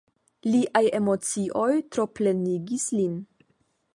Liaj emocioj troplenigis lin.